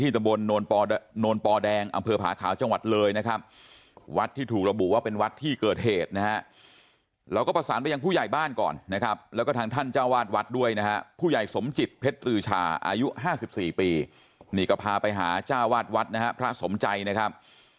สมจิตเพชรศาอายุ๕๔ปีนี่ก็พาไปหาจ้าวาทวัดพระสมใจนะครับ